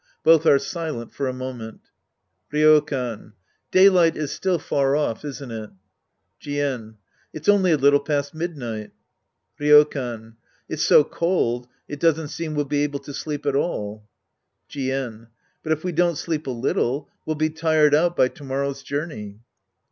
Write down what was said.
Both are silent far a moment^ Ryokan. Daylight is still far off, isn't it ? Jien. It's only a little past midnight. Ryokan. It's so cold it doesn't seem we'll be able to sleep at all. Jien. But if we don't sleep a little, we'll be tired out by to morrow's journey.